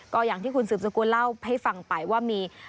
ก็อย่างที่คุณสืบสกุลเล่าให้ฟังไปว่ามี